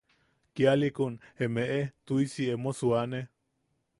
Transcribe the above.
–Kialiʼikun emeʼe tuʼisi emo suane.